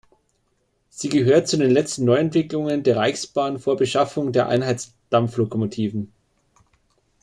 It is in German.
Sie gehört zu den letzten Neuentwicklungen der Reichsbahn vor Beschaffung der Einheitsdampflokomotiven.